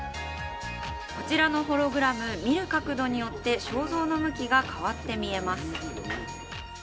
こちらのホログラム、見る角度によって肖像の向きが変わって見えます。